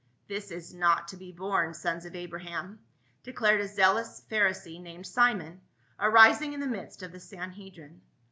" This is not to be borne, sons of Abraham," de clared a zealous Pharisee named Simon, arising in the midst of the Sanhedrim.